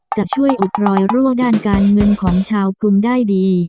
จะช่วยอบรอยรั่วด้านการเงินของชาวกุมได้ดี